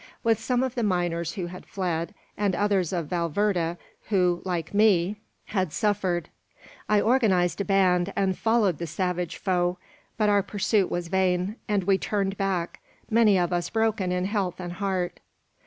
"With some of the miners, who had fled, and others of Valverde, who, like me, had suffered, I organised a band, and followed the savage foe; but our pursuit was vain, and we turned back, many of us broken in health and heart.